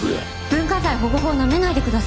文化財保護法をなめないでください。